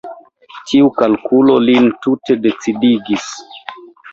Tiu kalkulo lin tute decidigis.